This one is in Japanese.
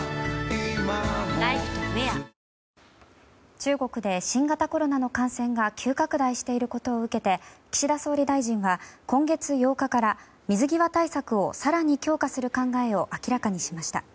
中国で新型コロナの感染が急拡大していることを受けて岸田総理大臣は今月８日から水際対策を更に強化する考えを明らかにしました。